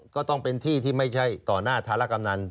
ก็ต้องเป็นที่ที่ไม่ใช่ต่อหน้าธารกำนัน